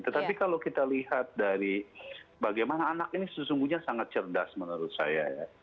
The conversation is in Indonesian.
tetapi kalau kita lihat dari bagaimana anak ini sesungguhnya sangat cerdas menurut saya ya